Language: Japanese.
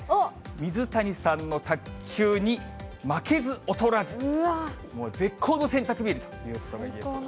水谷さんの卓球に負けず劣らず、絶好の洗濯日和ということが言えそうです。